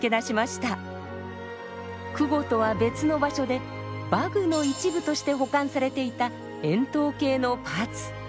箜篌とは別の場所で馬具の一部として保管されていた円筒形のパーツ。